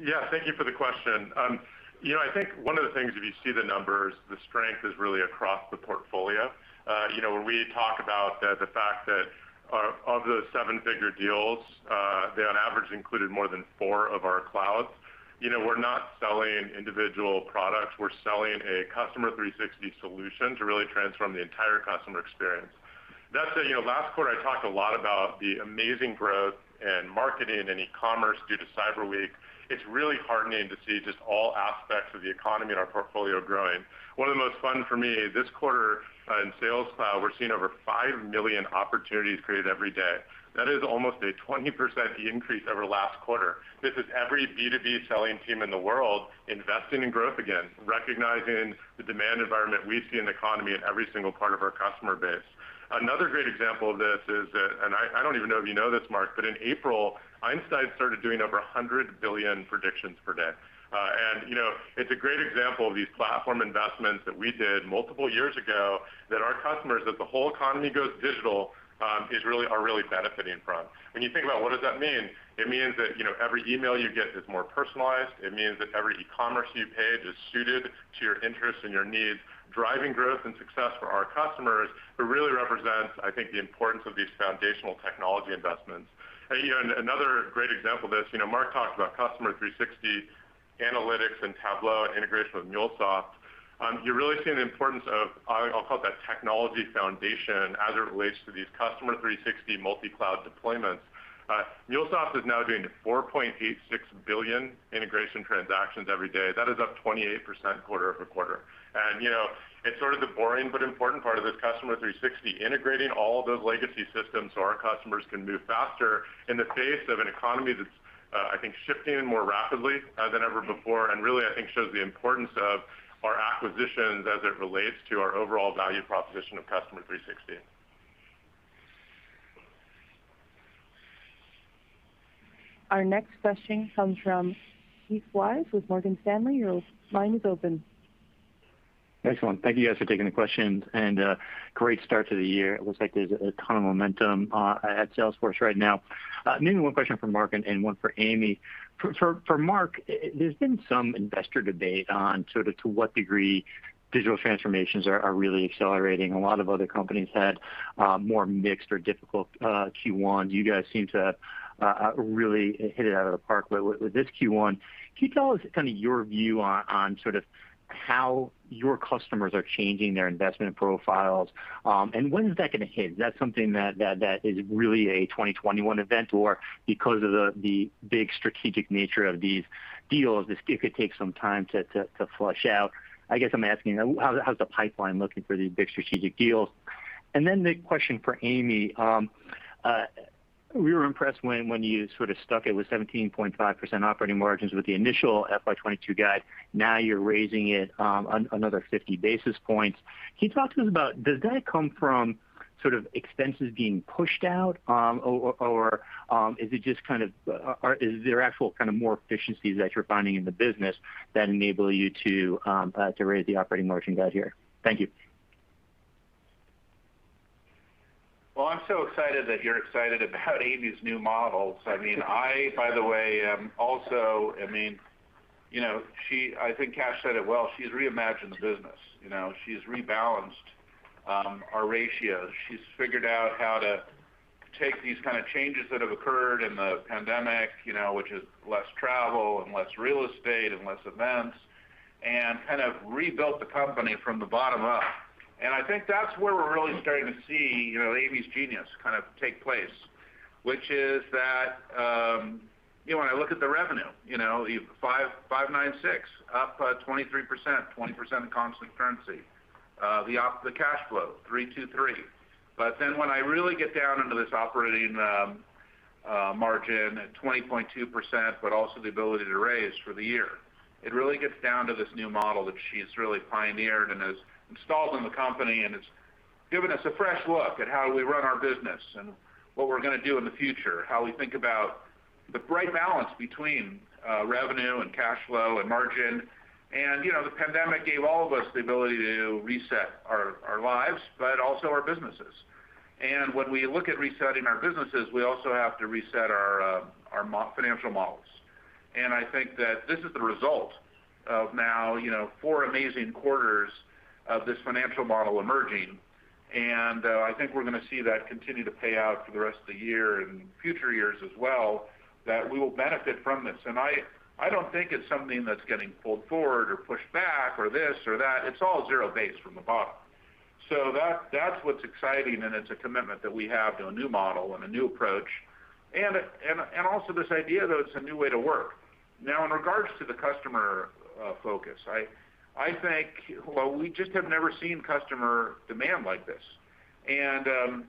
Yeah. Thank you for the question. I think one of the things, if you see the numbers, the strength is really across the portfolio. When we talk about the fact that of the seven-figure deals, they on average included more than four of our clouds. We're not selling individual products. We're selling a Customer 360 solution to really transform the entire customer experience. That said, last quarter I talked a lot about the amazing growth in marketing and e-commerce due to Cyber Week. It's really heartening to see just all aspects of the economy in our portfolio growing. One of the most fun for me, this quarter in Sales Cloud, we're seeing over 5 million opportunities created every day. That is almost a 20% increase over last quarter. This is every B2B selling team in the world investing in growth again, recognizing the demand environment we see in the economy in every single part of our customer base. Another great example of this is that, and I don't even know if you know this, Marc, but in April, Einstein started doing over 100 billion predictions per day. It's a great example of these platform investments that we did multiple years ago that our customers, as the whole economy goes digital, are really benefiting from. When you think about what does that mean? It means that every email you get is more personalized. It means that every e-commerce page is suited to your interests and your needs, driving growth and success for our customers. It really represents, I think, the importance of these foundational technology investments. Another great example of this, Marc talked about Customer 360 Analytics and Tableau integration with MuleSoft. You really see the importance of, I'll call it, the technology foundation as it relates to these Customer 360 multi-cloud deployments. MuleSoft is now doing 4.86 billion integration transactions every day. That is up 28% quarter-over-quarter. It's sort of the boring but important part of the Customer 360, integrating all of those legacy systems so our customers can move faster in the face of an economy that's, I think, shifting more rapidly than ever before, and really, I think, shows the importance of our acquisitions as it relates to our overall value proposition of Customer 360. Our next question comes from Keith Weiss with Morgan Stanley. Your line is open. Thanks, everyone. Thank you guys for taking the questions. Great start to the year. It looks like there's a ton of momentum at Salesforce right now. Maybe one question for Marc and one for Amy. For Marc, there's been some investor debate on sort of to what degree digital transformations are really accelerating. A lot of other companies had more mixed or difficult Q1s. You guys seem to have really hit it out of the park with this Q1. Can you tell us kind of your view on how your customers are changing their investment profiles? When is that going to hit? Is that something that is really a 2021 event? Because of the big strategic nature of these deals, it could take some time to flesh out? I guess I'm asking, how's the pipeline looking for these big strategic deals? Then the question for Amy. We were impressed when you sort of stuck it with 17.5% operating margins with the initial FY 2022 guide. You're raising it another 50 basis points. Can you talk to us about does that come from expenses being pushed out? Or is there actual more efficiencies that you're finding in the business that enable you to raise the operating margin guide here? Thank you. I'm so excited that you're excited about Amy's new models. I, by the way, am also. I think Kash said it well. She's reimagined the business. She's rebalanced our ratios. She's figured out how to take these kind of changes that have occurred in the pandemic, which is less travel and less real estate and less events, and kind of rebuilt the company from the bottom up. I think that's where we're really starting to see Amy's genius kind of take place, which is that when I look at the revenue, $5.96 billion, up 23%, 20% constant currency. The cash flow, $3.2 billion. When I really get down into this operating margin at 20.2%, but also the ability to raise for the year, it really gets down to this new model that she's really pioneered and has installed in the company, and it's given us a fresh look at how we run our business and what we're going to do in the future, how we think about the right balance between revenue and cash flow and margin. The pandemic gave all of us the ability to reset our lives, but also our businesses. When we look at resetting our businesses, we also have to reset our financial models. I think that this is the result of now four amazing quarters of this financial model emerging. I think we're going to see that continue to pay out for the rest of the year and future years as well, that we will benefit from this. I don't think it's something that's getting pulled forward or pushed back or this or that. It's all zero-base from the bottom. That's what's exciting, and it's a commitment that we have to a new model and a new approach, and also this idea that it's a new way to work. Now, in regards to the customer focus, I think, well, we just have never seen customer demand like this. There's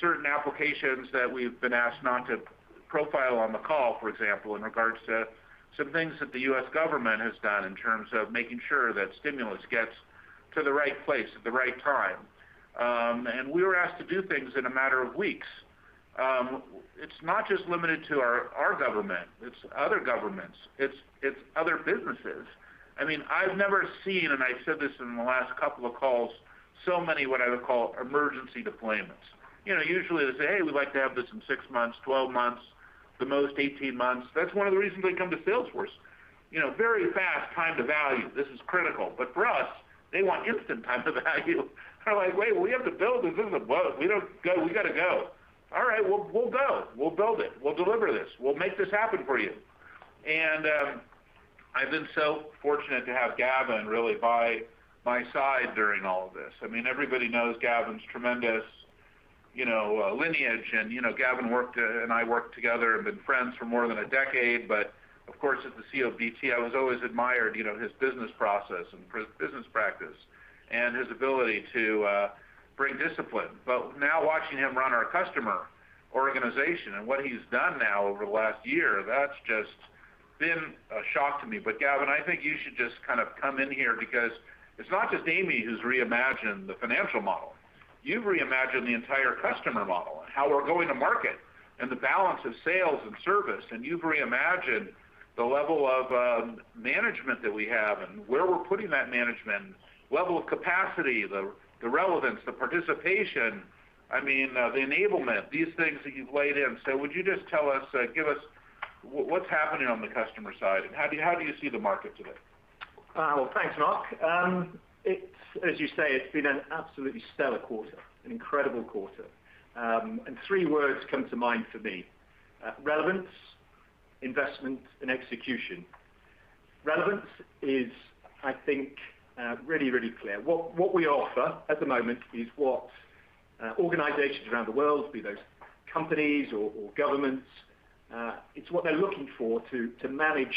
certain applications that we've been asked not to profile on the call, for example, in regards to some things that the U.S. government has done in terms of making sure that stimulus gets to the right place at the right time. We were asked to do things in a matter of weeks. It's not just limited to our government. It's other governments. It's other businesses. I've never seen, and I've said this in the last couple of calls, so many what I would call emergency deployments. Usually they say, "Hey, we'd like to have this in six months, 12 months. The most 18 months. That's one of the reasons they come to Salesforce. Very fast time to value. This is critical. For us, they want instant time to value. Kind of like, "Wait, we have to build this. This isn't loaded. We've got to go." All right, we'll go. We'll build it. We'll deliver this. We'll make this happen for you. I've been so fortunate to have Gavin really by my side during all of this. Everybody knows Gavin's tremendous lineage, and Gavin and I work together and been friends for more than a decade. Of course, at BT, I was always admired his business process and business practice, and his ability to bring discipline. Now watching him run our customer organization and what he's done now over the last year, that's just been a shock to me. Gavin, I think you should just come in here because it's not just Amy who's reimagined the financial model. You've reimagined the entire customer model, how we're going to market, and the balance of sales and service, and you've reimagined the level of management that we have and where we're putting that management, level of capacity, the relevance, the participation, the enablement, these things that you've laid in. Would you just give us what's happening on the customer side, and how do you see the market today? Well, thanks, Marc. As you say, it's been an absolutely stellar quarter, an incredible quarter. Three words come to mind for me, relevance, investment, and execution. Relevance is, I think, really, really clear. What we offer at the moment is what organizations around the world, be those companies or governments, it's what they're looking for to manage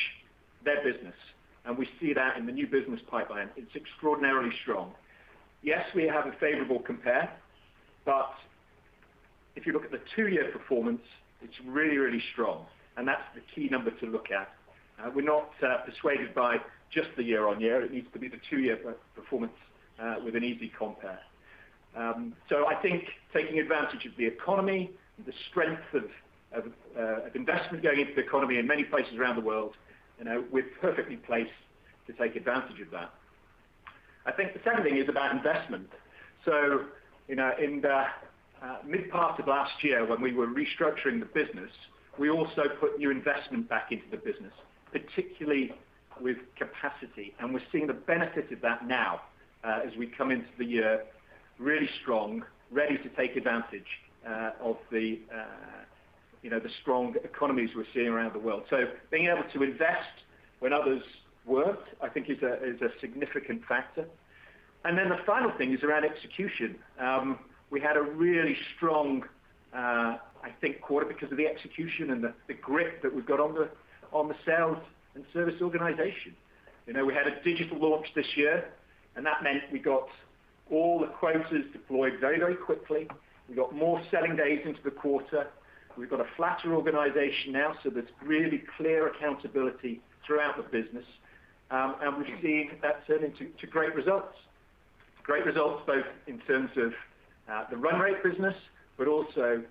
their business, and we see that in the new business pipeline. It's extraordinarily strong. Yes, we have a favorable compare, but if you look at the two-year performance, it's really, really strong, and that's the key number to look at. We're not persuaded by just the year-over-year. It needs to be the two-year performance with an easy compare. I think taking advantage of the economy and the strength of investment going into the economy in many places around the world, we're perfectly placed to take advantage of that. I think the second thing is about investment. In the mid-part of last year when we were restructuring the business, we also put new investment back into the business, particularly with capacity, and we're seeing the benefit of that now as we come into the year really strong, ready to take advantage of the strong economies we're seeing around the world. Being able to invest when others weren't, I think is a significant factor. The final thing is around execution. We had a really strong, I think, quarter because of the execution and the grip that we've got on the sales and service organization. We had a digital launch this year, and that meant we got all the quotas deployed very, very quickly. We got more selling days into the quarter. We've got a flatter organization now, so there's really clear accountability throughout the business. We're seeing that turning to great results. Great results both in terms of the run rate business, but also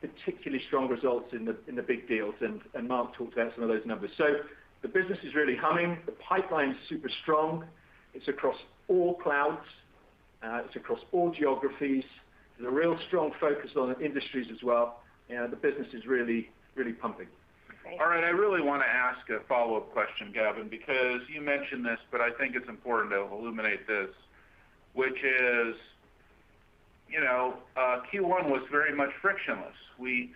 particularly strong results in the big deals, and Marc talked about some of those numbers. The business is really humming. The pipeline's super strong. It's across all clouds. It's across all geographies. There's a real strong focus on industries as well, and the business is really, really pumping. All right. I really want to ask a follow-up question, Gavin, because you mentioned this, but I think it's important to illuminate this, which is Q1 was very much frictionless. We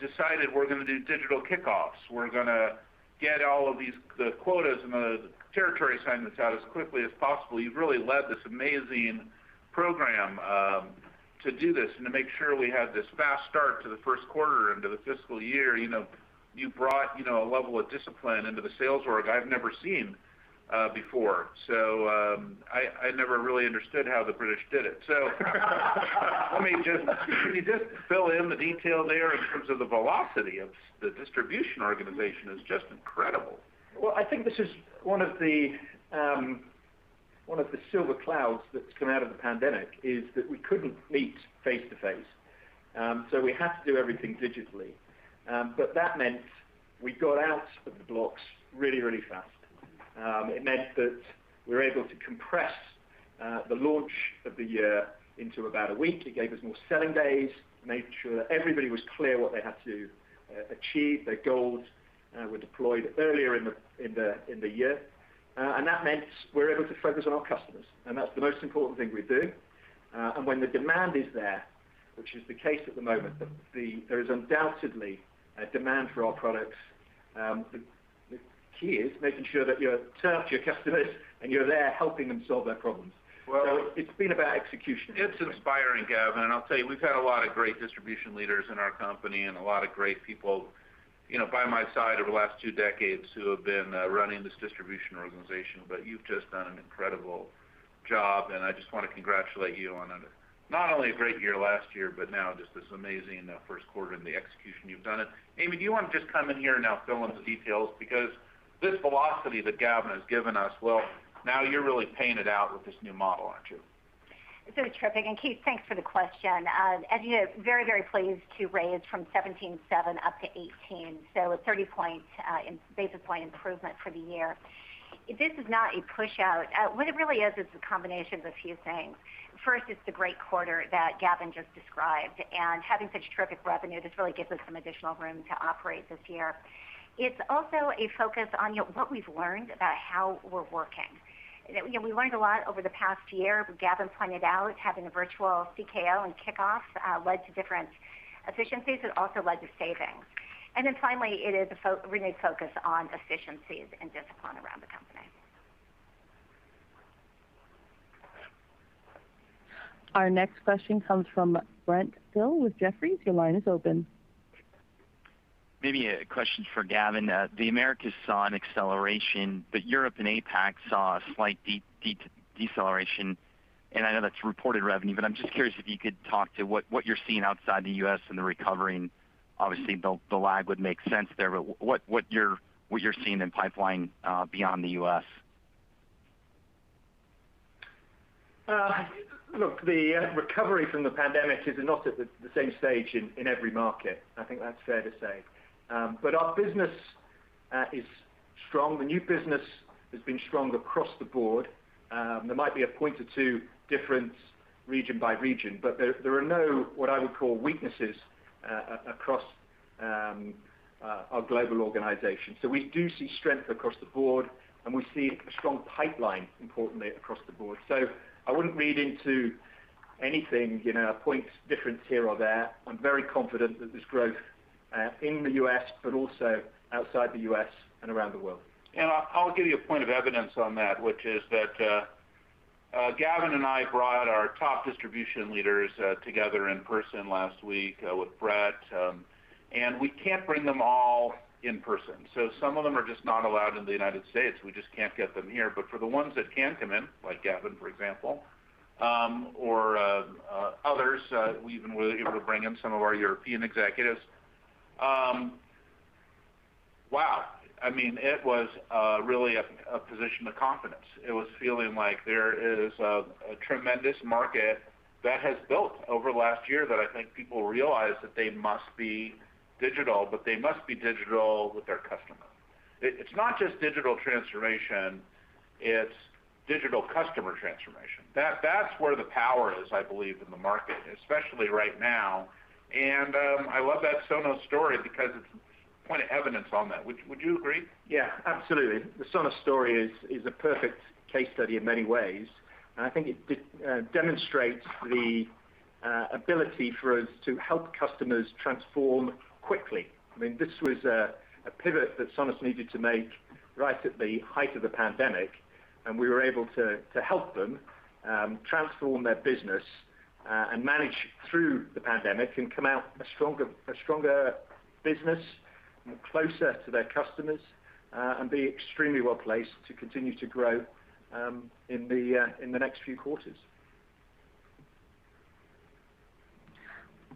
decided we're going to do digital kickoffs. We're going to get all of these quotas and the territory assignments out as quickly as possible. You really led this amazing program to do this and to make sure we had this fast start to the first quarter into the fiscal year. You brought a level of discipline into the sales org I've never seen before. I never really understood how the British did it. Can you just fill in the detail there in terms of the velocity of the distribution organization is just incredible. Well, I think this is one of the silver clouds that's come out of the pandemic, is that we couldn't meet face-to-face. We have to do everything digitally. That meant we got out of the blocks really, really fast. It meant that we were able to compress the launch of the year into about a week. It gave us more selling days, made sure that everybody was clear what they had to achieve, their goals were deployed earlier in the year. That meant we're able to focus on our customers, and that's the most important thing we do. When the demand is there, which is the case at the moment, there is undoubtedly a demand for our products. The key is making sure that you're in touch with your customers, and you're there helping them solve their problems. It's been about execution. Well, it's inspiring, Gavin. I'll tell you, we've had a lot of great distribution leaders in our company and a lot of great people by my side over the last two decades who have been running this distribution organization. You've just done an incredible job, and I just want to congratulate you on not only a great year last year, but now just this amazing first quarter and the execution you've done it. Amy, do you want to just come in here now, fill in the details, because this velocity that Gavin has given us, well, now you're really painting it out with this new model, aren't you? It's really terrific. Keith Weiss, thanks for the question. As you know, very, very pleased to raise from 17.7 up to 18, so a 30 basis point improvement for the year. This is not a pushout. What it really is a combination of a few things. First, it's the great quarter that Gavin Patterson just described, and having such terrific revenue really gives us some additional room to operate this year. It's also a focus on what we've learned about how we're working. We learned a lot over the past year, as Gavin Patterson pointed out, having a virtual SKO and kickoffs led to different efficiencies. It also led to savings. Finally, it is a renewed focus on efficiencies and discipline around the company. Our next question comes from Brent Thill with Jefferies. Your line is open. Maybe a question for Gavin. The Americas saw an acceleration, but Europe and APAC saw a slight deceleration, and I know that's reported revenue, but I'm just curious if you could talk to what you're seeing outside the U.S. in the recovery. Obviously, the lag would make sense there, but what you're seeing in pipeline beyond the U.S. Look, the recovery from the pandemic is not at the same stage in every market. I think that's fair to say. Our business is strong. The new business has been strong across the board. There might be a point or two difference region by region, but there are no what I would call weaknesses across our global organization. We do see strength across the board, and we see a strong pipeline, importantly, across the board. I wouldn't read into anything, a point difference here or there. I'm very confident that there's growth in the U.S., but also outside the U.S. and around the world. I'll give you a point of evidence on that, which is that Gavin and I brought our top distribution leaders together in person last week with Bret. We can't bring them all in person. Some of them are just not allowed in the U.S. We just can't get them here. For the ones that can come in, like Gavin, for example, or others, we even were able to bring in some of our European executives. Wow. It was really a position of confidence. It was feeling like there is a tremendous market that has built over the last year that I think people realize that they must be digital, but they must be digital with their customer. It's not just digital transformation, it's digital customer transformation. That's where the power is, I believe, in the market, especially right now. I love that Sonos story because it's a point of evidence on that. Would you agree? Yeah, absolutely. The Sonos story is a perfect case study in many ways. I think it demonstrates the ability for us to help customers transform quickly. This was a pivot that Sonos needed to make right at the height of the pandemic, and we were able to help them transform their business, and manage through the pandemic, and come out a stronger business, closer to their customers, and be extremely well-placed to continue to grow in the next few quarters.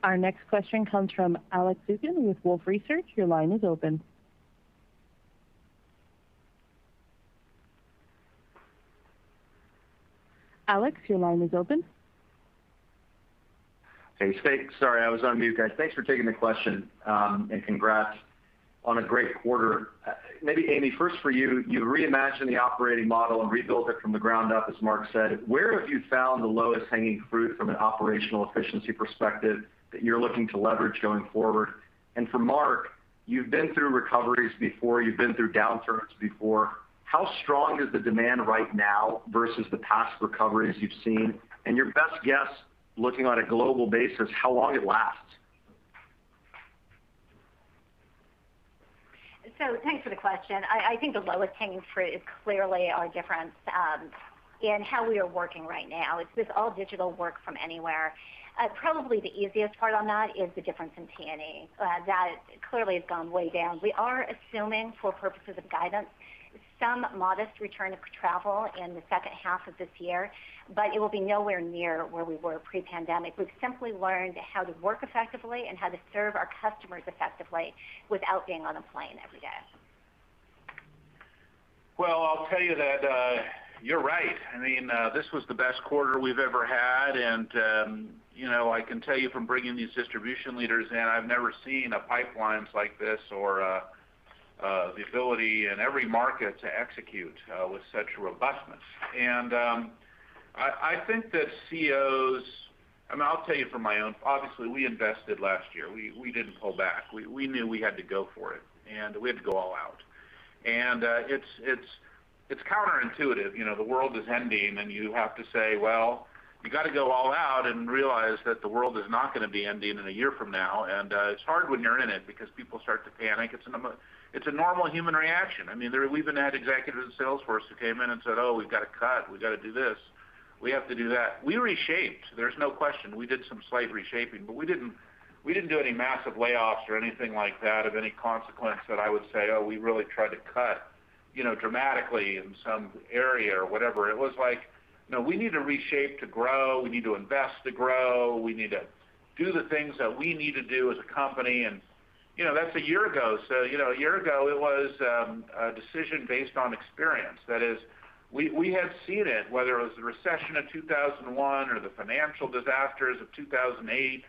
Our next question comes from Alex Zukin with Wolfe Research. Your line is open. Alex, your line is open. Hey. Sorry, I was on mute. Guys, thanks for taking the question, and congrats on a great quarter. Maybe Amy, first for you reimagined the operating model and rebuilt it from the ground up, as Marc said. Where have you found the lowest hanging fruit from an operational efficiency perspective that you're looking to leverage going forward? For Marc, you've been through recoveries before, you've been through downturns before. How strong is the demand right now versus the past recoveries you've seen? Your best guess, looking on a global basis, how long it lasts? Thanks for the question. I think the lowest hanging fruit is clearly our difference in how we are working right now. It's this all digital work from anywhere. Probably the easiest part on that is the difference in T&E. That clearly has gone way down. We are assuming, for purposes of guidance, some modest return of travel in the second half of this year, but it will be nowhere near where we were pre-pandemic. We've simply learned how to work effectively and how to serve our customers effectively without being on a plane every day. Well, I'll tell you that you're right. This was the best quarter we've ever had, and I can tell you from bringing these distribution leaders in, I've never seen pipelines like this or the ability in every market to execute with such robustness. I think that CEOs, and I'll tell you from my own, obviously, we invested last year. We didn't pull back. We knew we had to go for it, and we had to go all out. It's counterintuitive. The world is ending, and you have to say, well, we got to go all out and realize that the world is not going to be ending in a year from now, and it's hard when you're in it because people start to panic. It's a normal human reaction. We even had executives at Salesforce who came in and said, "Oh, we've got to cut. We got to do this. We have to do that." We reshaped. There's no question we did some slight reshaping, but we didn't do any massive layoffs or anything like that of any consequence that I would say, we really tried to cut dramatically in some area or whatever. It was like, no, we need to reshape to grow. We need to invest to grow. We need to do the things that we need to do as a company. That's a year ago. A year ago, it was a decision based on experience. That is. We have seen it, whether it was the recession of 2001 or the financial disasters of 2008.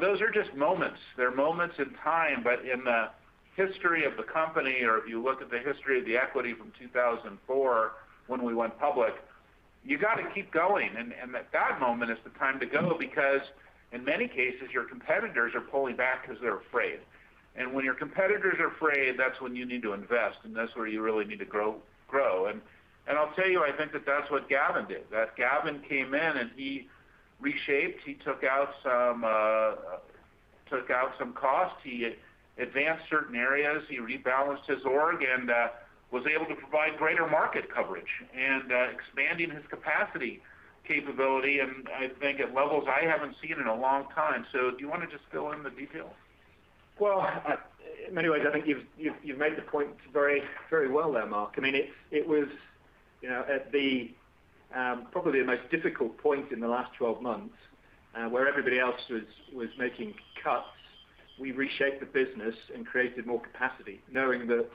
Those are just moments. They're moments in time. In the history of the company, or if you look at the history of the equity from 2004 when we went public, you got to keep going. That moment is the time to go because, in many cases, your competitors are pulling back because they're afraid. When your competitors are afraid, that's when you need to invest, and that's where you really need to grow. I'll tell you, I think that that's what Gavin did, that Gavin came in and he reshaped, he took out some costs, he advanced certain areas, he rebalanced his org, and was able to provide greater market coverage and expanded his capacity capability, and I think at levels I haven't seen in a long time. Do you want to just fill in the details? Well, in many ways, I think you've made the point very well there, Marc. It was at probably the most difficult point in the last 12 months, where everybody else was making cuts. We reshaped the business and created more capacity, knowing that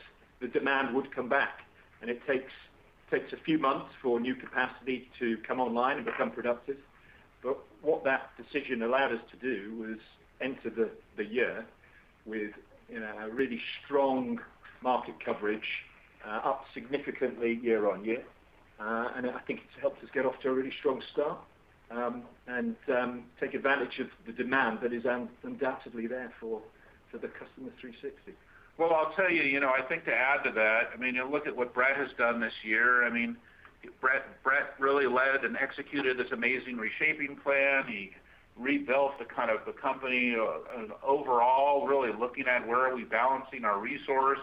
the demand would come back, and it takes a few months for new capacity to come online and become productive. What that decision allowed us to do was enter the year with really strong market coverage, up significantly year-over-year. I think it's helped us get off to a really strong start, and take advantage of the demand that is undoubtedly there for the Customer 360. Well, I'll tell you, I think to add to that, look at what Bret has done this year. Bret really led and executed this amazing reshaping plan. He rebuilt the company overall, really looking at where are we balancing our resource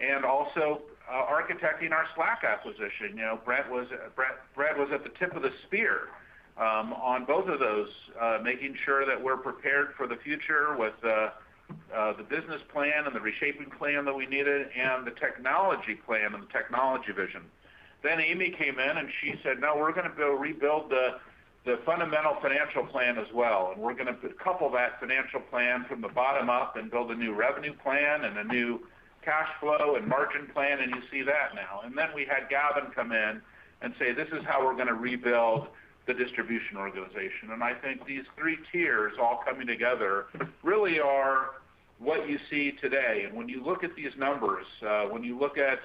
and also architecting our Slack acquisition. Bret was at the tip of the spear on both of those, making sure that we're prepared for the future with the business plan and the reshaping plan that we needed and the technology plan and the technology vision. Amy came in, and she said, "Now we're going to go rebuild the fundamental financial plan as well, and we're going to couple that financial plan from the bottom up and build a new revenue plan and a new cash flow and margin plan," and you see that now. Then we had Gavin come in and say, "This is how we're going to rebuild the distribution organization." I think these three tiers all coming together really are what you see today. When you look at these numbers, when you look at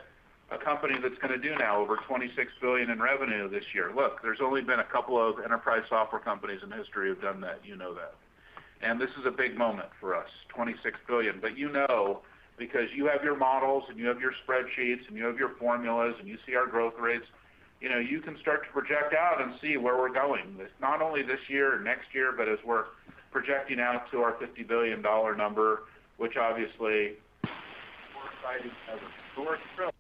a company that's going to do now over $26 billion in revenue this year, look, there's only been a couple of enterprise software companies in history who've done that, you know that. This is a big moment for us, $26 billion. You know, because you have your models, and you have your spreadsheets, and you have your formulas, and you see our growth rates, you can start to project out and see where we're going. It's not only this year or next year, but as we're projecting out to our $50 billion number, which obviously we're excited as ever. We're thrilled.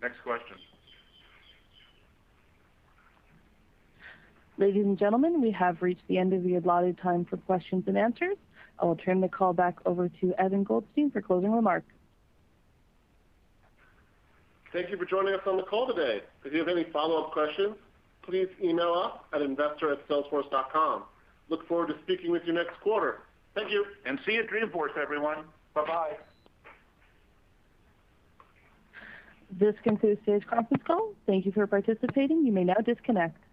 Next question. Ladies and gentlemen, we have reached the end of the allotted time for questions-and-answers. I will turn the call back over to Evan Goldstein for closing remarks. Thank you for joining us on the call today. If you have any follow-up questions, please email us at investor@salesforce.com. Look forward to speaking with you next quarter. Thank you. See you at Dreamforce, everyone. Bye-bye. This concludes today's conference call. Thank you for participating. You may now disconnect.